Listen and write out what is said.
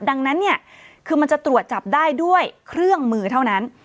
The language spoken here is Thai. ดังนั้นเนี่ยคือมันจะตรวจจับได้ด้วยเครื่องมือเท่านั้น